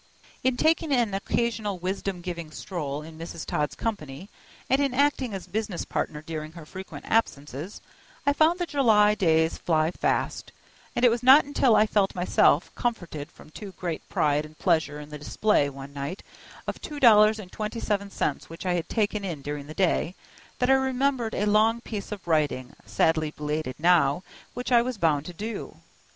In taking an occasional wisdom giving stroll in Mrs. Todd's company, and in acting as business partner during her frequent absences, I found the July days fly fast, and it was not until I felt myself confronted with too great pride and pleasure in the display, one night, of two dollars and twenty seven cents which I had taken in during the day, that I remembered a long piece of writing, sadly belated now, which I was bound to do.